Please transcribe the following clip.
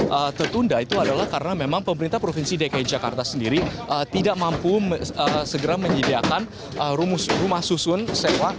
yang tertunda itu adalah karena memang pemerintah provinsi dki jakarta sendiri tidak mampu segera menyediakan rumah susun sewa